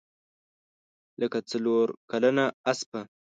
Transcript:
لکه څلورکلنه اسپه.